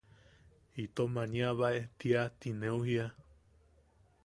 Itom aniabae tia ti neu jiuwa.